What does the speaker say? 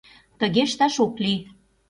Тыге ышташ ок лий.